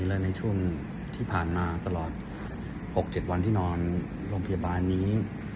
และในช่วงที่ผ่านมาตลอด๖๗วันที่นอนโรงพยาบาลนี้